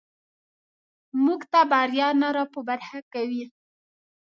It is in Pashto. موږ ته بریا نه راپه برخه کوي.